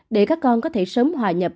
để các con có thể sớm hòa nhập